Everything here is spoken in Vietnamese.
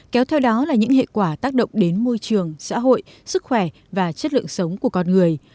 kéo theo đó là những hệ quả tác động đến môi trường xã hội sức khỏe và chất lượng sống của con người